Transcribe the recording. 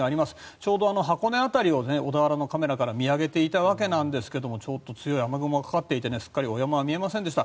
ちょうど箱根辺りを小田原のカメラから見上げていたわけですがちょっと強い雨雲がかかっていて山は見えませんでした。